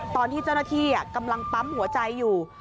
ตอนที่เจ้าหน้าที่กำลังปั๊มหัวใจอยู่